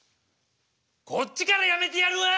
こっちからやめてやるわ！